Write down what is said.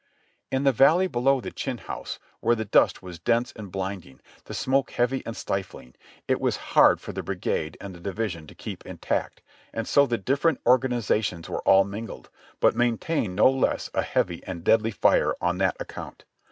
In the valley below the Chinn House, where the dust was dense and blinding, the smoke heavy and stifling, it was hard for the brigade and the division to keep intact, and so the different or ganizations were all mingled, but maintained no less a heavy and deadly fire on that account.